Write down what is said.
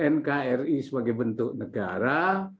nkri sebagai bentuk negara